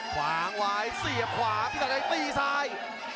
ขวางไหวเสียบขวาปีศาจแดงตีซ้าย